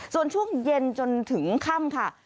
ส่วนช่วงเย็นจนถึงค่ำค่ะ